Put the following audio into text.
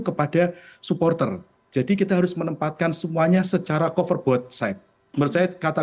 kepada supporter jadi kita harus menempatkan semuanya secara cover both side menurut saya kata